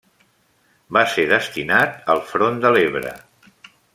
Va ser destinat al front de l'Ebre.